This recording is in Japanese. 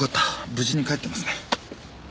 無事に帰ってますね。